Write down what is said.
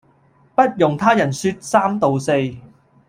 不容他人說三道四